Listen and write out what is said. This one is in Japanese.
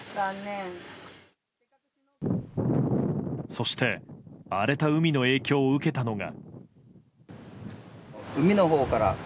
そして荒れた海の影響を受けたのが。